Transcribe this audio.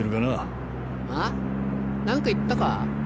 何か言ったか？